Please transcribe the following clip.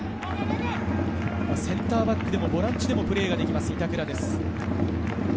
センターバックでもボランチでもプレーできる板倉です。